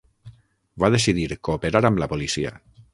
Va decidir cooperar amb la policia.